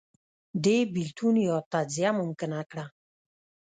دې بېلتون یا تجزیه ممکنه کړه